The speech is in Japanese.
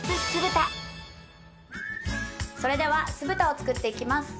それでは酢豚を作っていきます。